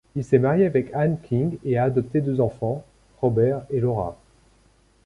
Il s'est marié avec Ann King et a adopté deux enfants, Robert et Laura.